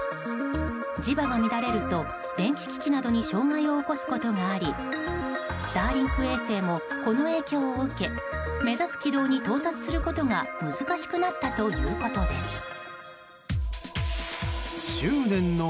磁場が乱れると電子機器などに障害を起こすことがありスターリンク衛星もこの影響を受け目指す軌道に到達することが難しくなったということです。